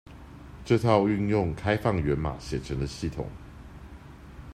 這套運用開放源碼寫成的系統